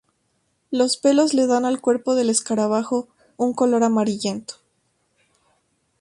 Los pelos dan al cuerpo del escarabajo un color amarillento.